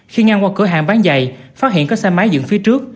khi ngang qua cửa hàng bán giày phát hiện có xe máy dựng phía trước